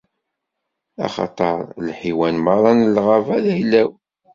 Axaṭer lḥiwan merra n lɣaba, d ayla-w.